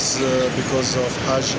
saya datang disini karena hajj dan umrah